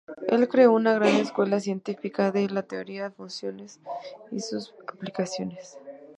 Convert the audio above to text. Él creó una gran escuela científica de la teoría de funciones y sus aplicaciones.